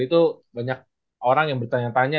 itu banyak orang yang bertanya tanya